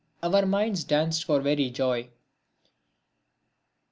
Our minds danced for very joy.